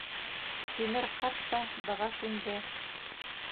Тимер ҡарт та быға күнде.